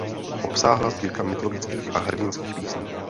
Obsáhlá sbírka mytologických a hrdinských písní.